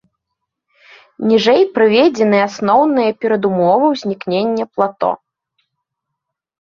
Ніжэй прыведзены асноўныя перадумовы ўзнікнення плато.